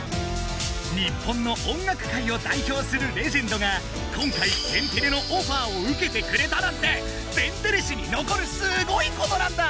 日本の音楽界をだいひょうするレジェンドが今回天てれのオファーをうけてくれたなんて天てれ史にのこるすごいことなんだ！